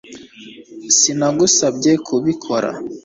Sinagusabye kubikora